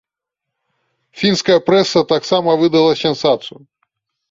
Фінская прэса таксама выдала сенсацыю.